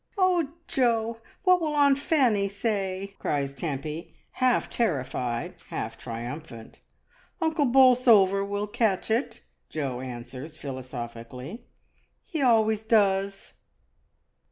"Oh, Jo! what will Aunt Fanny say?" cries Tempy, half terrified, half triumphant. "Uncle Bolsover will catch it," Jo answers philosophically. "He always does."